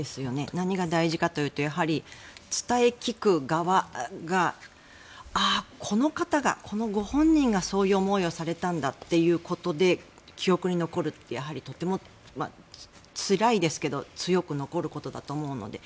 何が大事かというとやはり伝え聞く側がああ、この方がこのご本人がそういう思いをされたんだということで記憶に残るってやはりとてもつらいですけど強く残ることだと思うので。